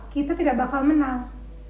kita tidak bakal menang